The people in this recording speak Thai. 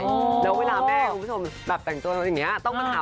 โอ้โหแล้วเวลาแม่ก็ดังจวนค์เล่นอย่างงี้